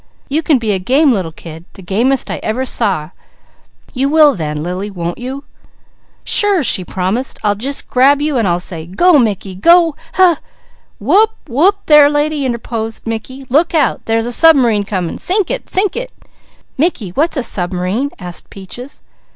You can be a game little kid, the gamest I ever saw, you will then, Lily, won't you?" "Sure!" she promised. "I'll just grab you and I'll say, 'Go Mickey, go h !" "Wope! Wope there lady!" interposed Mickey. "Look out! There's a subm'rine coming. Sink it! Sink it!" "Mickey what's a subm'rine?" asked Peaches.